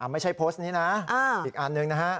ไม่ใช่โพสต์นี้นะอีกอันหนึ่งนะฮะ